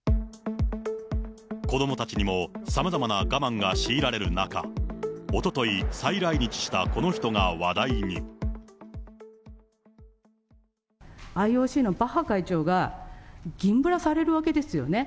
子どもたちにもさまざまな我慢が強いられる中、おととい再来ＩＯＣのバッハ会長が、銀ブラされるわけですよね。